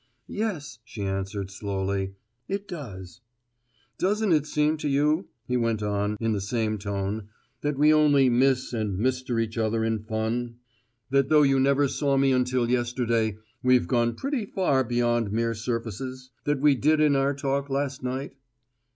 "Yes," she answered slowly; "it does." "Doesn't it seem to you," he went on, in the same tone, "that we only `Miss' and `Mister' each other in fun? That though you never saw me until yesterday, we've gone pretty far beyond mere surfaces? That we did in our talk, last night?"